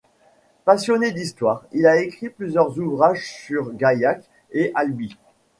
Passionné d'histoire, il a écrit plusieurs ouvrages sur Gaillac et Albi.